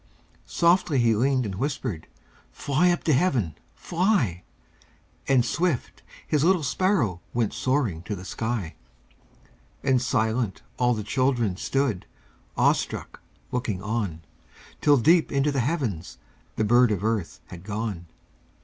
Softly He leaned and whispered: "Fly up to Heaven! Fly!" And swift, His little sparrow Went soaring to the sky, And silent, all the children Stood, awestruck, looking on, Till, deep into the heavens, The bird of earth had gone.